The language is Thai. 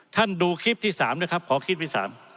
ท่านดูคลิปที่๓นะครับขอคลิปที่๓